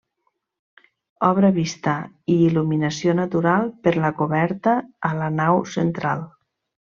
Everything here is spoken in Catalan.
Obra vista i il·luminació natural per la coberta a la nau central.